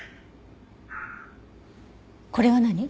「」これは何？